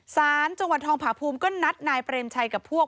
สารจังหวัดทองผาภูมิก็นัดนายเปรมชัยกับพวก